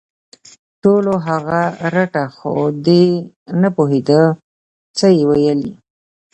ټولو هغه رټه خو دی نه پوهېده څه یې ویلي